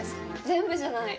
全部じゃない。